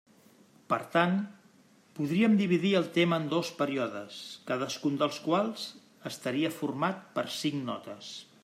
Per tant, podríem dividir el tema en dos períodes, cadascun dels quals estaria format per cinc notes.